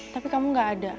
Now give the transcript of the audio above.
tapi kamu gak ada